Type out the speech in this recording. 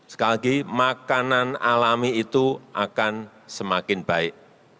sekali lagi makanan alami itu akan semakin baik